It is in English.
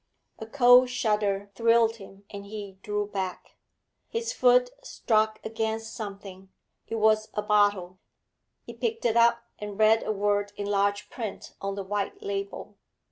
A cold shudder thrilled him, and he drew back. His foot struck against something; it was a bottle. He picked it up, and read a word in large print on the white label.